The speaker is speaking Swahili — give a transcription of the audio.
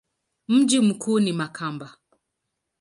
Mji mkuu ni Makamba.